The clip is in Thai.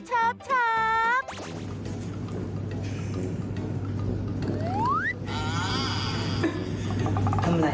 ทำไหนอะไรอ่ะ